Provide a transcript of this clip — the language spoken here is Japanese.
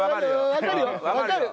わかるよ。